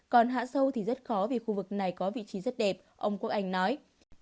còn hạ sâu thì rất khó vì khu vực này có vị trí rất đẹp ông quốc anh nói